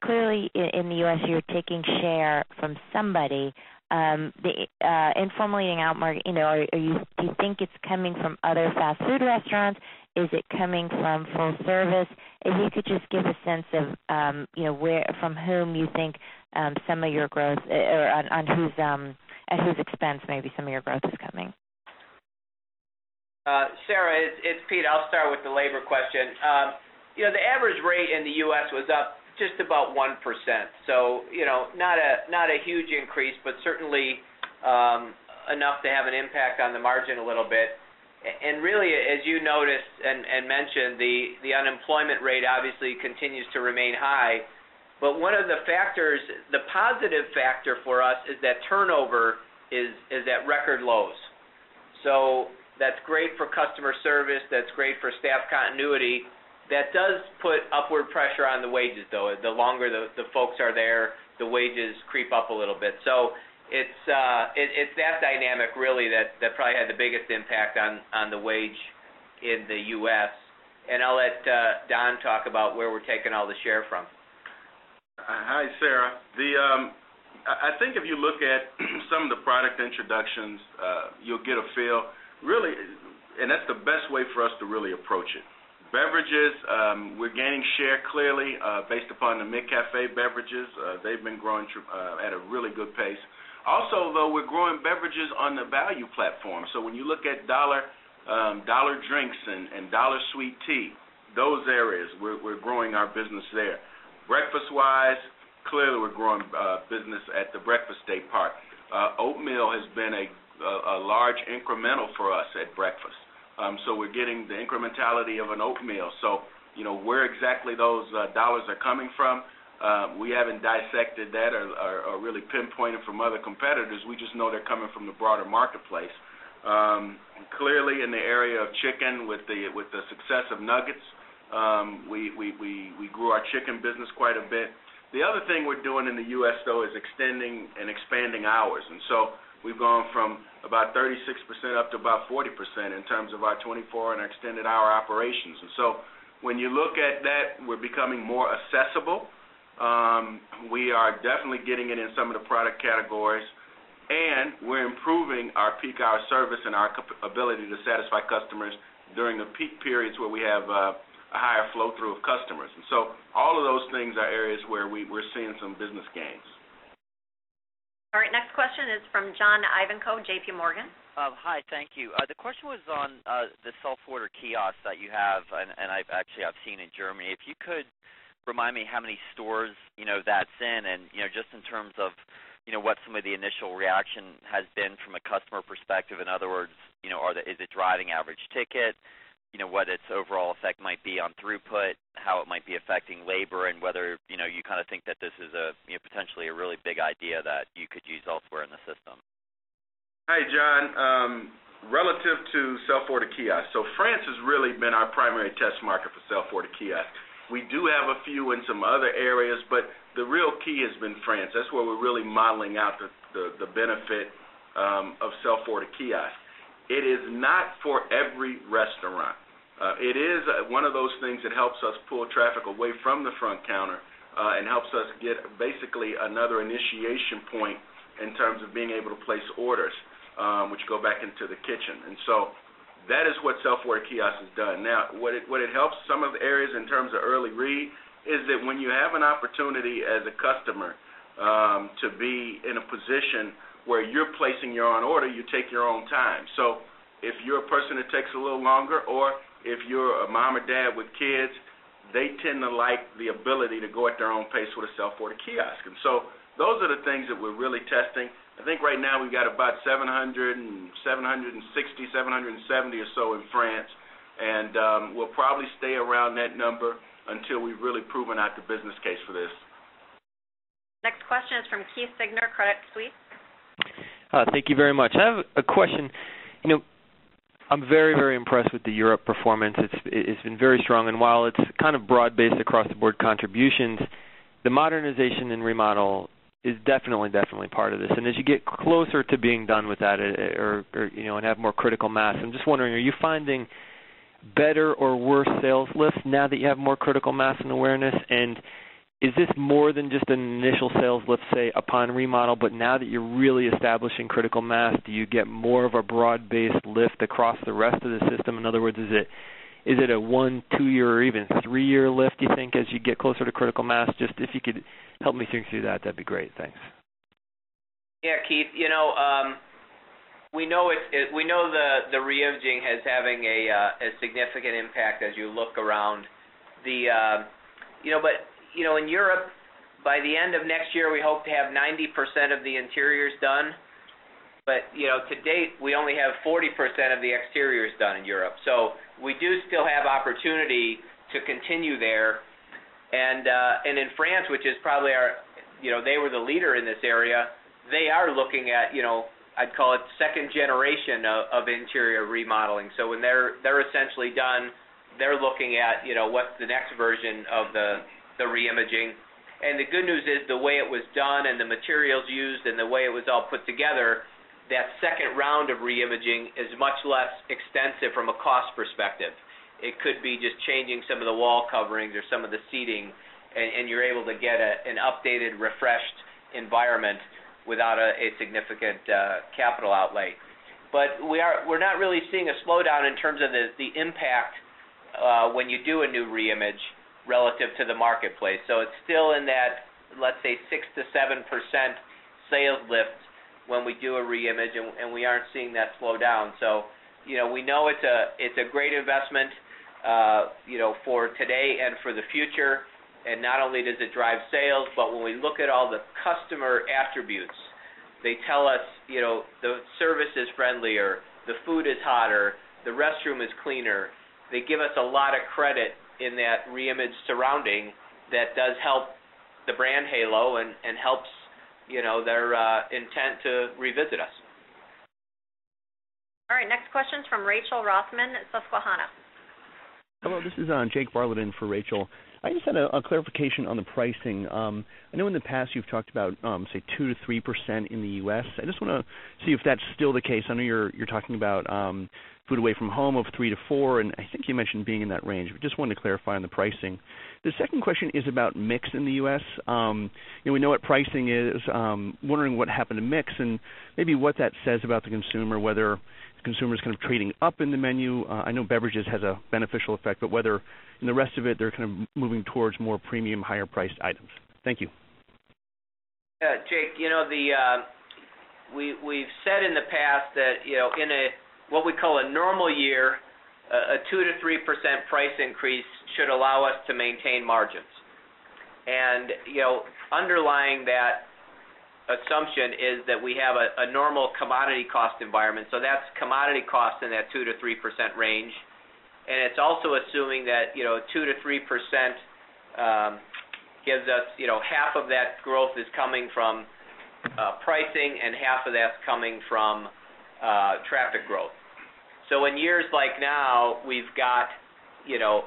clearly in the U.S., you're taking share from somebody. The informal eating out market, do you think it's coming from other fast food restaurants? Is it coming from full service? If you could just give a sense of from whom you think some of your growth or at whose expense maybe some of your growth is coming. Sara, it's Pete. I'll start with the labor question. The average rate in the U.S. was up just about 1%. Not a huge increase, but certainly enough to have an impact on the margin a little bit. As you noticed and mentioned, the unemployment rate obviously continues to remain high. One of the factors, the positive factor for us is that turnover is at record lows. That's great for customer service and that's great for staff continuity. That does put upward pressure on the wages, though. The longer the folks are there, the wages creep up a little bit. It's that dynamic really that probably had the biggest impact on the wage in the U.S. I'll let Don talk about where we're taking all the share from. Hi, Sara. I think if you look at some of the product introductions, you'll get a feel. Really, that's the best way for us to really approach it. Beverages, we're gaining share clearly based upon the McCafé beverages. They've been growing at a really good pace. Also, we're growing beverages on the value platform. When you look at dollar drinks and dollar sweet tea, those areas, we're growing our business there. Breakfast-wise, clearly we're growing business at the breakfast daypart. Oatmeal has been a large incremental for us at breakfast. We're getting the incrementality of an oatmeal. Where exactly those dollars are coming from, we haven't dissected that or really pinpointed from other competitors. We just know they're coming from the broader marketplace. Clearly, in the area of chicken, with the success of nuggets, we grew our chicken business quite a bit. The other thing we're doing in the U.S. is extending and expanding hours. We've gone from about 36% up to about 40% in terms of our 24 and extended hour operations. When you look at that, we're becoming more accessible. We are definitely getting it in some of the product categories. We're improving our peak hour service and our ability to satisfy customers during the peak periods where we have a higher flow-through of customers. All of those things are areas where we're seeing some business gains. All right. Next question is from John Ivankoe, JPMorgan. Hi. Thank you. The question was on the self-order kiosks that you have, and actually, I've seen in Germany. If you could remind me how many stores that's in, and just in terms of what some of the initial reaction has been from a customer perspective. In other words, is it driving average ticket? What its overall effect might be on throughput, how it might be affecting labor, and whether you kind of think that this is potentially a really big idea that you could use elsewhere in the system. Hi, John. Relative to self-order kiosks, France has really been our primary test market for self-order kiosks. We do have a few in some other areas, but the real key has been France. That's where we're really modeling out the benefit of self-order kiosks. It is not for every restaurant. It is one of those things that helps us pull traffic away from the front counter and helps us get basically another initiation point in terms of being able to place orders, which go back into the kitchen. That is what self-order kiosks have done. What it helps some of the areas in terms of early read is that when you have an opportunity as a customer to be in a position where you're placing your own order, you take your own time. If you're a person that takes a little longer or if you're a mom or dad with kids, they tend to like the ability to go at their own pace with a self-order kiosk. Those are the things that we're really testing. I think right now we've got about 760, 770 or so in France. We'll probably stay around that number until we've really proven out the business case for this. Next question is from Keith Siegner, Credit Suisse. Thank you very much. I have a question. I'm very, very impressed with the Europe performance. It's been very strong. While it's kind of broad-based across the board contributions, the modernization and remodel is definitely, definitely part of this. As you get closer to being done with that and have more critical mass, I'm just wondering, are you finding better or worse sales lifts now that you have more critical mass and awareness? Is this more than just an initial sales lift, say, upon remodel? Now that you're really establishing critical mass, do you get more of a broad-based lift across the rest of the system? In other words, is it a one, two-year, or even three-year lift, do you think, as you get closer to critical mass? If you could help me think through that, that'd be great. Thanks. Yeah, Keith. We know the reimaging is having a significant impact as you look around. In Europe, by the end of next year, we hope to have 90% of the interiors done. To date, we only have 40% of the exteriors done in Europe. We do still have opportunity to continue there. In France, which is probably our, they were the leader in this area, they are looking at, I'd call it, second generation of interior remodeling. When they're essentially done, they're looking at what the next version of the reimaging is. The good news is the way it was done and the materials used and the way it was all put together, that second round of reimaging is much less extensive from a cost perspective. It could be just changing some of the wall coverings or some of the seating, and you're able to get an updated, refreshed environment without a significant capital outlay. We're not really seeing a slowdown in terms of the impact when you do a new reimage relative to the marketplace. It's still in that, let's say, 6%-7% sales lift when we do a reimage, and we aren't seeing that slowdown. We know it's a great investment for today and for the future. Not only does it drive sales, but when we look at all the customer attributes, they tell us the service is friendlier, the food is hotter, the restroom is cleaner. They give us a lot of credit in that reimaged surrounding that does help the brand halo and helps their intent to revisit us. All right. Next question is from Rachael Rothman, Susquehanna. Hello. This is Jake Bartlett in for Rachael. I just had a clarification on the pricing. I know in the past you've talked about, say, 2%-3% in the U.S. I just want to see if that's still the case. I know you're talking about food away from home of 3%-4%, and I think you mentioned being in that range. I just wanted to clarify on the pricing. The second question is about mix in the U.S. We know what pricing is. I'm wondering what happened to mix and maybe what that says about the consumer, whether the consumer is kind of trading up in the menu. I know beverages have a beneficial effect, but whether in the rest of it they're kind of moving towards more premium, higher-priced items. Thank you. Yeah, Jake. We've said in the past that in what we call a normal year, a 2%-3% price increase should allow us to maintain margins. Underlying that assumption is that we have a normal commodity cost environment, so that's commodity costs in that 2%-3% range. It's also assuming that 2%-3% gives us half of that growth coming from pricing and half of that's coming from traffic growth. In years like now, we've got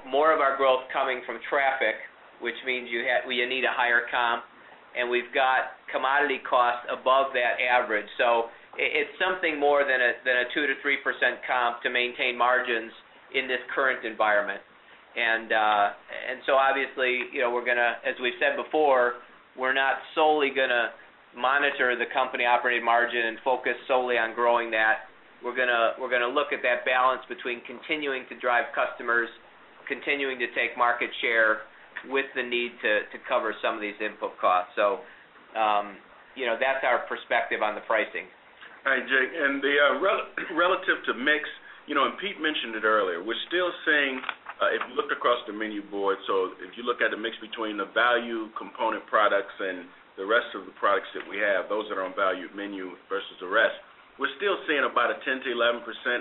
more of our growth coming from traffic, which means we need a higher comp, and we've got commodity costs above that average. It's something more than a 2%-3% comp to maintain margins in this current environment. Obviously, as we've said before, we're not solely going to monitor the company operating margin and focus solely on growing that. We're going to look at that balance between continuing to drive customers, continuing to take market share with the need to cover some of these input costs. That's our perspective on the pricing. All right, Jake. Relative to mix, and Pete mentioned it earlier, we're still seeing if you look across the menu board. If you look at the mix between the value component products and the rest of the products that we have, those that are on value menu versus the rest, we're still seeing about a 10%-11%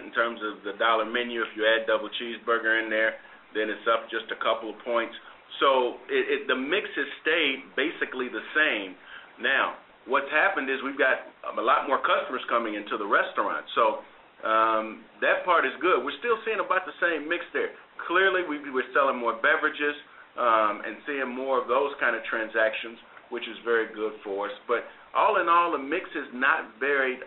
in terms of the dollar menu. If you add double cheeseburger in there, then it's up just a couple of points. The mix has stayed basically the same. What's happened is we've got a lot more customers coming into the restaurant. That part is good. We're still seeing about the same mix there. Clearly, we're selling more beverages and seeing more of those kind of transactions, which is very good for us. All in all, the mix is not varied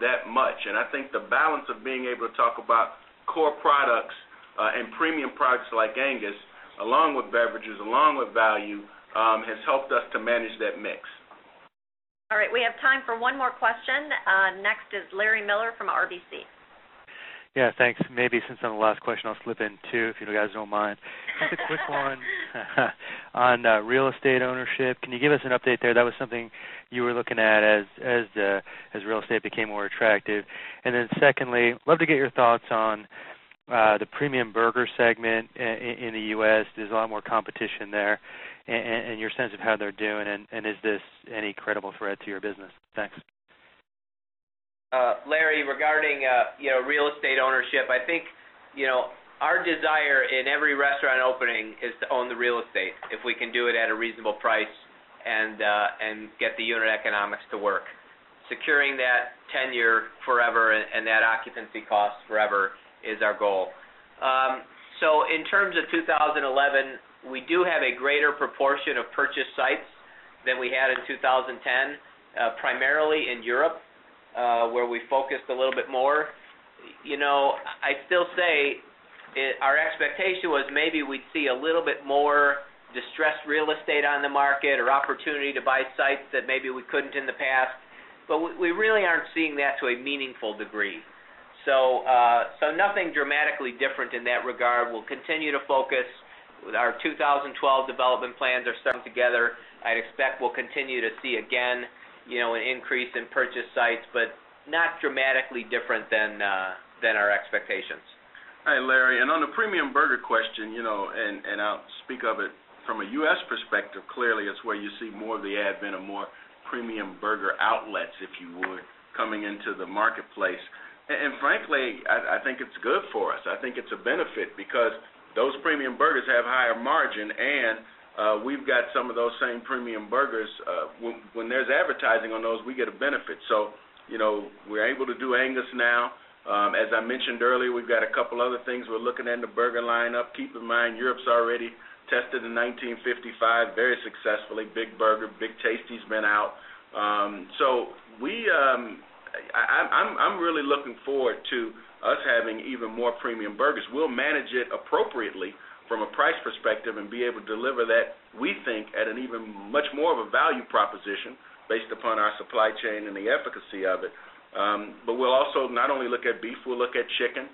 that much. I think the balance of being able to talk about core products and premium products like Angus, along with beverages, along with value, has helped us to manage that mix. All right. We have time for one more question. Next is Larry Miller from RBC. Yeah, thanks. Maybe since on the last question, I'll slip in two, if you guys don't mind. Just a quick one on real estate ownership. Can you give us an update there? That was something you were looking at as real estate became more attractive. Secondly, I'd love to get your thoughts on the premium burger segment in the U.S. There's a lot more competition there. Your sense of how they're doing, is this any credible threat to your business? Thanks. Larry, regarding real estate ownership, I think our desire in every restaurant opening is to own the real estate if we can do it at a reasonable price and get the unit economics to work. Securing that tenure forever and that occupancy cost forever is our goal. In terms of 2011, we do have a greater proportion of purchase sites than we had in 2010, primarily in Europe, where we focused a little bit more. I'd still say our expectation was maybe we'd see a little bit more distressed real estate on the market or opportunity to buy sites that maybe we couldn't in the past. We really aren't seeing that to a meaningful degree. Nothing dramatically different in that regard. We'll continue to focus. Our 2012 development plans are starting to come together. I'd expect we'll continue to see again an increase in purchase sites, but not dramatically different than our expectations. All right, Larry. On the premium burger question, and I'll speak of it from a U.S. perspective, clearly it's where you see more of the advent of more premium burger outlets, if you would, coming into the marketplace. Frankly, I think it's good for us. I think it's a benefit because those premium burgers have higher margin, and we've got some of those same premium burgers. When there's advertising on those, we get a benefit. We're able to do Angus now. As I mentioned earlier, we've got a couple of other things we're looking at in the burger lineup. Keep in mind, Europe's already tested in 1955 very successfully. Big Burger, Big Tasty's been out. I'm really looking forward to us having even more premium burgers. We'll manage it appropriately from a price perspective and be able to deliver that, we think, at an even much more of a value proposition based upon our supply chain and the efficacy of it. We'll also not only look at beef, we'll look at chicken.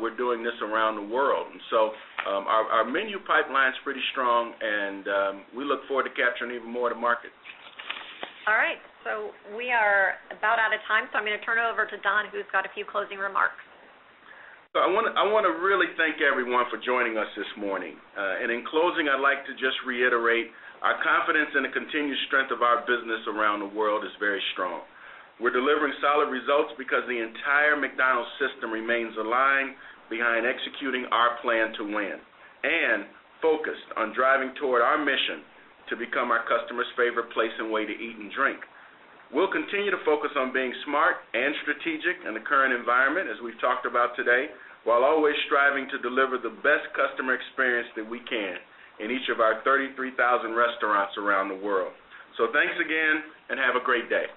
We're doing this around the world, and our menu pipeline's pretty strong. We look forward to capturing even more of the markets. All right. We are about out of time, so I'm going to turn it over to Don, who's got a few closing remarks. I want to really thank everyone for joining us this morning. In closing, I'd like to just reiterate our confidence in the continued strength of our business around the world is very strong. We're delivering solid results because the entire McDonald's system remains aligned behind executing our plan to win and focused on driving toward our mission to become our customers' favorite place and way to eat and drink. We'll continue to focus on being smart and strategic in the current environment, as we've talked about today, while always striving to deliver the best customer experience that we can in each of our 33,000 restaurants around the world. Thanks again and have a great day.